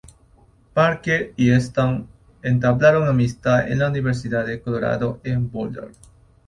Parker y Stone entablaron amistad en la Universidad de Colorado en Boulder.